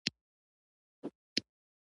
د زلزلې اټکل دی.